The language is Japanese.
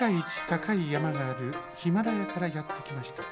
たかいやまがあるヒマラヤからやってきました。